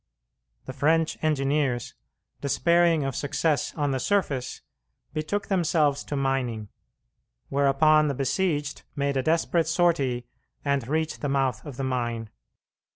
The French engineers, despairing of success on the surface, betook themselves to mining; whereupon the besieged made a desperate sortie and reached the mouth of the mine.